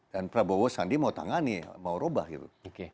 dan prabowo sandi mau tangani mau robah itu